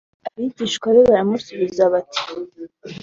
Abigishwa be baramusubiza bati